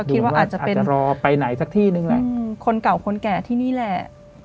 คิดว่าอาจจะเป็นรอไปไหนสักที่นึงแหละคนเก่าคนแก่ที่นี่แหละ